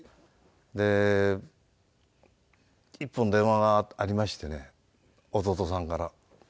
で１本電話がありましてね弟さんから。